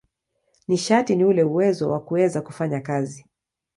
Nishati ni ule uwezo wa kuweza kufanya kazi.